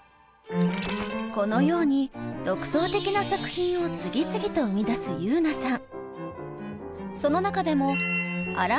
このように独創的な作品を次々と生み出すｙｕｎａさん。